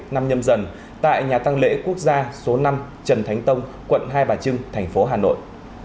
năm nhâm dần tại nhà tăng lễ quốc gia số năm trần thánh tông quận hai bà trưng thành phố hà nội